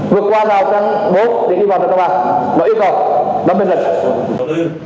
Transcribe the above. vượt qua rào trăng bốn và đi vào rào trăng ba nội yêu cầu cầm bên lệnh